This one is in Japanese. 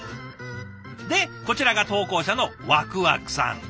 でこちらが投稿者のわくわくさん。